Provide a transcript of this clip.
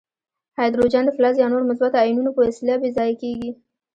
هایدروجن د فلز یا نورو مثبتو آیونونو په وسیله بې ځایه کیږي.